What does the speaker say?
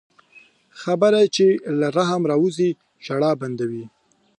خبره چې له رحم راووځي، ژړا بندوي